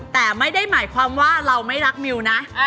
แต่ไม่ได้หมายความว่าเราไม่รักมิวนะ